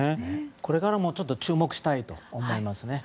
これからも注目したいと思います。